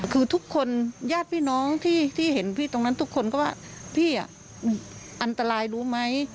คือทุกคนญาติพี่น้องที่เห็นพี่ตรงนั้นทุกคนก็ว่าพี่อันตรายรู้ไหม